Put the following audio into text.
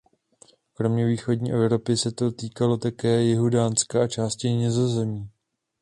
Kromě východní Evropy se to týkalo také jihu Dánska a části Nizozemí.